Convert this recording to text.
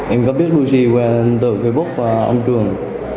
em có biết hồ chí quang từ facebook ông trường